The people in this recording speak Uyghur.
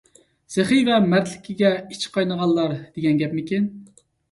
سېخىي ۋە مەردلىكىگە ئىچى قاينىغانلار دېگەن گەپمىكىن.